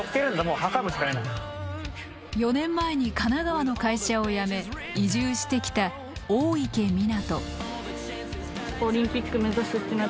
４年前に神奈川の会社を辞め移住してきた大池水杜。